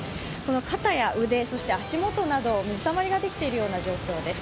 肩や腕、足元など水たまりができているような状況です。